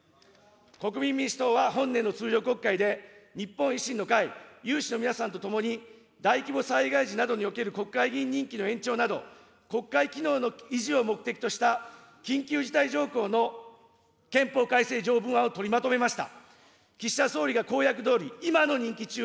国民民主党は本年の通常国会で、日本維新の会、有志の皆さんとともに、大規模災害時などにおける国会ぎいん任期の延長など、国会機能の維持を目的とした緊急事態条項の憲法改正条文案を取りまとめました。